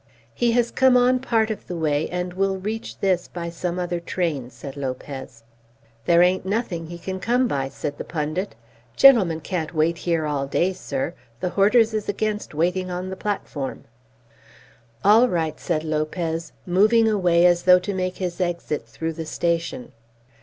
"He has come on part of the way, and will reach this by some other train," said Lopez. "There ain't nothing he can come by," said the pundit. "Gentlemen can't wait here all day, sir. The horders is against waiting on the platform." "All right," said Lopez, moving away as though to make his exit through the station.